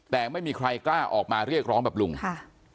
แต่ไม่มีใครกล้าออกมาเรียกร้องแบบลุงค่ะ